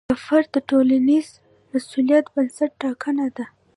د فرد د ټولنیز مسوولیت بنسټ ټاکنه ده.